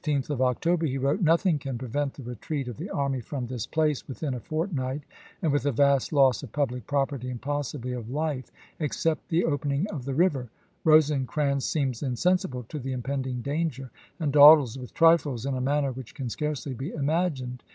On the 16th of October he wi ote :" Nothing can prevent the retreat of the army from this place within a fortnight, and with a vast loss of public property and possibly of life, except the opening of the river. .. Rosecrans seems insensible to the impending danger, and dawdles with trifles in a manner which can scarcely be imagined.